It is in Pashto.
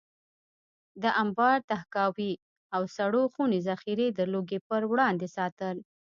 د انبار، تحکاوي او سړو خونې ذخیرې د لوږې پر وړاندې ساتل.